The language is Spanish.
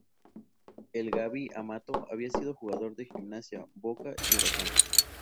El "Gaby" Amato había sido jugador de Gimnasia, Boca y Huracán.